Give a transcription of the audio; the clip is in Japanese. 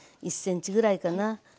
１ｃｍぐらいかな。